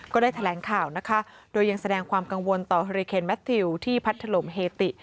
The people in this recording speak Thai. ก็ได้แถลงข่าวนะคะโดยยังแสดงความกังวลต่อเฮอริเคนแมททิวที่พัดถล่มเฮติ